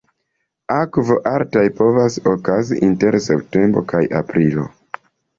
Akvo alta povas okazi inter septembro kaj aprilo.